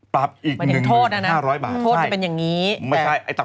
ปรับอีก๑๕๐๐บาท